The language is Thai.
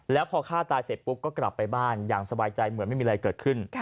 แล้วพอฆ่าตายเสร็จปุ๊บก็กลับไปบ้านอย่างสบายใจเหมือนไม่มีอะไรเกิดขึ้น